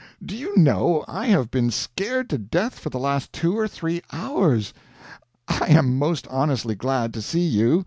Do you know, I have been scared to death for the last two or three hours? I am most honestly glad to see you.